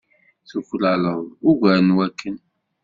Tuklaleḍ ugar n wakken.